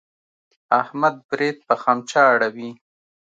احمد برېت په خمچه اړوي.